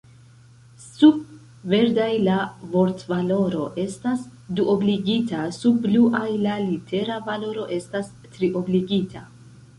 Sub verdaj la vortvaloro estas duobligita, sub bluaj la litera valoro estas triobligita.